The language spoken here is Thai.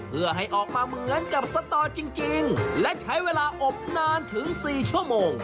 เพื่อให้ออกมาเหมือนกับสตอจริงและใช้เวลาอบนานถึง๔ชั่วโมง